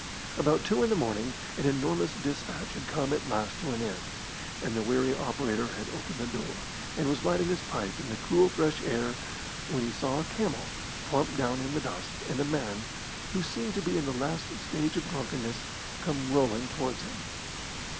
About two in the morning an enormous despatch had come at last to an end, and the weary operator had opened the door, and was lighting his pipe in the cool, fresh air, when he saw a camel plump down in the dust, and a man, who seemed to be in the last stage of drunkenness, come rolling towards him.